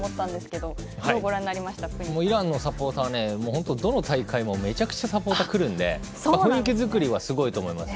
本当、どの大会もめちゃくちゃサポーターが来るので雰囲気作りはすごいと思います。